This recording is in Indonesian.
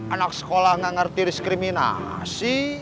anak sekolah gak ngerti diskriminasi